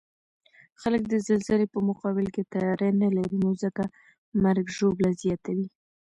خلک د زلزلې په مقابل کې تیاری نلري، نو ځکه مرګ ژوبله زیاته وی